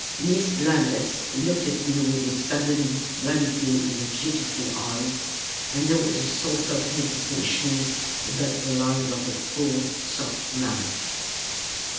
Miss Lammas looked at me with a sudden gravity in her beautiful eyes, and there was a sort of hesitation about the lines of her full, soft mouth.